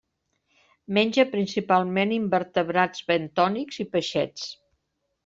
Menja principalment invertebrats bentònics i peixets.